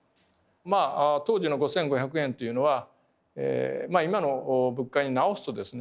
まあ当時の５，５００円というのは今の物価に直すとですね